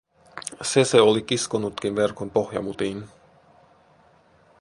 Se se oli kiskonutkin verkon pohjamutiin.